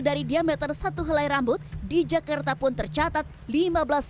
dari diameter satu helai rambut di jakarta pun tercatat lima belas hingga tiga puluh mikrogram per meter kubik